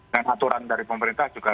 dan aturan dari pemerintah juga